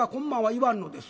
言わんのです。